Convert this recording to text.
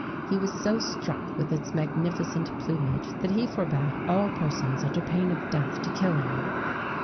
He was so struck with its magnificent plumage that he forbad all persons, under pain of death, to kill any.